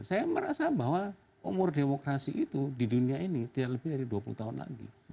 saya merasa bahwa umur demokrasi itu di dunia ini tidak lebih dari dua puluh tahun lagi